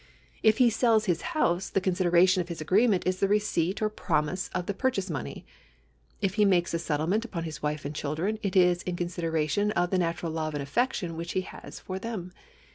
If he sells his house, the consideration of • his agreement is the receipt or promise of the purchase money. If he makes a settlement upon his wife and children, it is in consideration of the natural love and affection which he has for them.